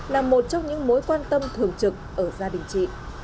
là một trong những mối quan tâm thường trực ở gia đình chị